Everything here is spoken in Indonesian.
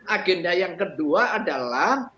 agenda yang kedua adalah